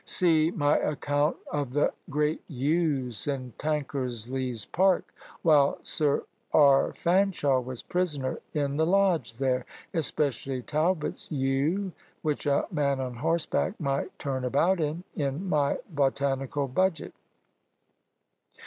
See my account of the great yews in Tankersley's park, while Sir R. Fanshaw was prisoner in the lodge there; especially Talbot's yew, which a man on horseback might turn about in, in my botanical budget.